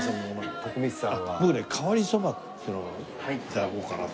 僕ね変わりそばっていうのを頂こうかなと。